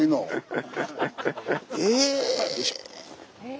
え！